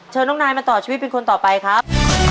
น้องนายมาต่อชีวิตเป็นคนต่อไปครับ